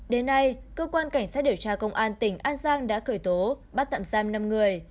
đến nay cơ quan cảnh sát điều tra công an tỉnh an giang đã khởi tố bắt tạm giam năm người